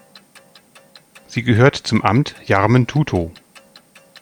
Sie gehört zum Amt Jarmen-Tutow.